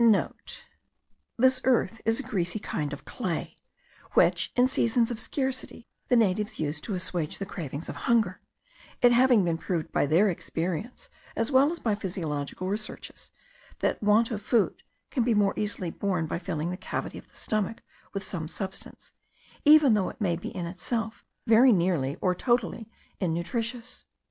*(* This earth is a greasy kind of clay, which, in seasons of scarcity, the natives use to assuage the cravings of hunger; it having been proved by their experience as well as by physiological researches, that want of food can be more easily borne by filling the cavity of the stomach with some substance, even although it may be in itself very nearly or totally innutritious.